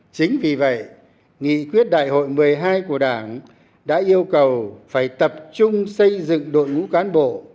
chính vì vậy nghị quyết đại hội một mươi hai của đảng đã yêu cầu phải tập trung xây dựng đội ngũ cán bộ